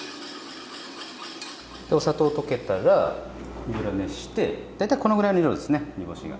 でお砂糖溶けたら油熱して大体このぐらいの量ですね煮干しが。